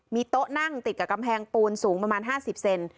มีโต๊ะนั่งติดกับกำแพงปูนสูงประมาณ๕๐เซน